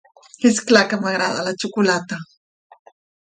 És clar que m'agrada la xocolata!